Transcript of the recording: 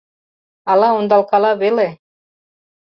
Ала ондалкала веле?